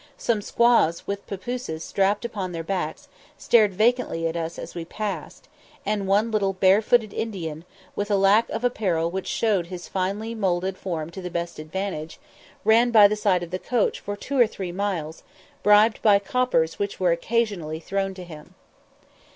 Some squaws, with papooses strapped upon their backs, stared vacantly at us as we passed, and one little barefooted Indian, with a lack of apparel which showed his finely moulded form to the best advantage, ran by the side of the coach for two or three miles, bribed by coppers which were occasionally thrown to him.